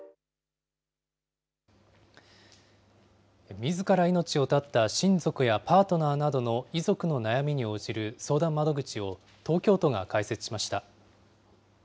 みずから命を絶った親族やパートナーなどの遺族の悩みに応じる相談窓口を、東京都が開設しました。